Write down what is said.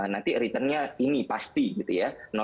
nanti returnnya ini pasti gitu ya